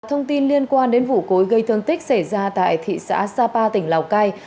thông tin liên quan đến vụ cối gây thương tích xảy ra tại thị xã sapa tỉnh lào cai